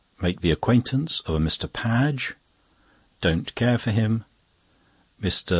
Make the acquaintance of a Mr. Padge. Don't care for him. Mr.